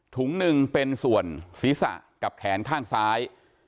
ถุงหนึ่งเป็นส่วนศีรษะกับแขนข้างซ้าย